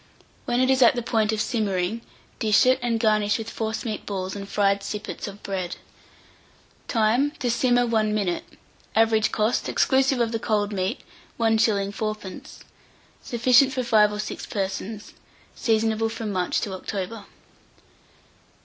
When it is at the point of simmering, dish it, and garnish with forcemeat balls and fried sippets of bread. Time. To simmer 1 minute. Average cost, exclusive of the cold meat, 1s. 4d. Sufficient for 5 or 6 persons. Seasonable from March to October.